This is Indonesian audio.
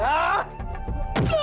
baik tunggu dulu